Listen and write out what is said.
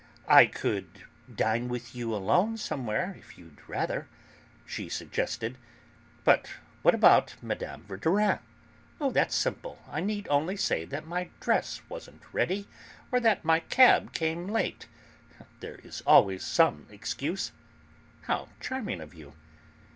"I could dine with you alone somewhere, if you'd rather," she suggested. "But what about Mme. Verdurin?" "Oh, that's quite simple. I need only say that my dress wasn't ready, or that my cab came late. There is always some excuse." "How charming of you."